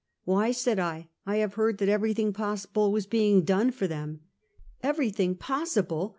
"Why?" said I, " I have heard that everything possible was being done for them ?" "Everything possible!"